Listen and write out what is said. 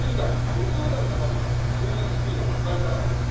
５０代の方のスイングスピードっていうのは大体あるんですか？